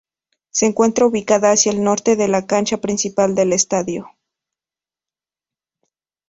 Se encuentra ubicada hacia el norte de la cancha principal del estadio.